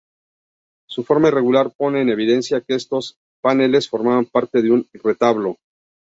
Su forma irregular pone en evidencia que estos paneles formaban parte de un retablo.